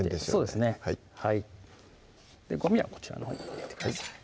そうですねはいごみはこちらのほうに入れてください